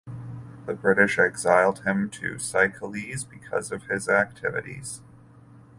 The British exiled him to the Seychelles because of his activities.